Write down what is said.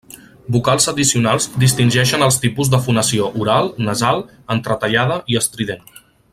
Vocals addicionals distingeixen els tipus de fonació oral, nasal, entretallada i estrident.